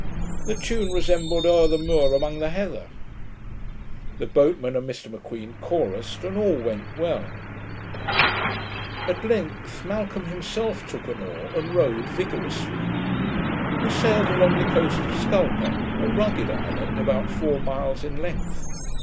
The tune resembled 'Owr the muir amang the heather', the boatmen and Mr M'Queen chorused, and all went well. At length Malcolm himself took an oar, and rowed vigorously. We sailed along the coast of Scalpa, a rugged island, about four miles in length.